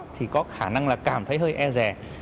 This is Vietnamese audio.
thì có khả năng là cảm thấy hơi e rè